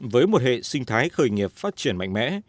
với một hệ sinh thái khởi nghiệp phát triển mạnh mẽ